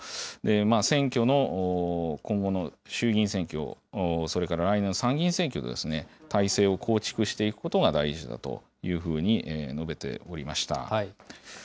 選挙の、今後の衆議院選挙、それから来年の参議院選挙のですね、体制を構築していくことが大事だというふうに述べておりました。